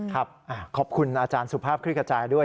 ขอบคุณอาจารย์สุภาพคลิกกระจายด้วย